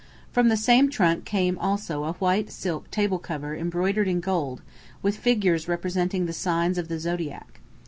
From the same trunk came also a white silk table cover embroidered in gold with figures representing the signs of the zodiac.